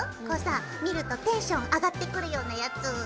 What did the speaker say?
こうさ見るとテンション上がってくるようなやつ！